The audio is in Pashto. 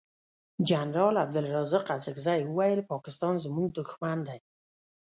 جنرال عبدلرازق اڅګزی وویل پاکستان زمونږ دوښمن دی.